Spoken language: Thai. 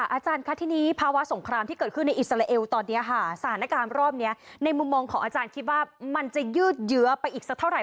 อาจารย์คะทีนี้ภาวะสงครามที่เกิดขึ้นในอิสราเอลตอนนี้ค่ะสถานการณ์รอบนี้ในมุมมองของอาจารย์คิดว่ามันจะยืดเยื้อไปอีกสักเท่าไห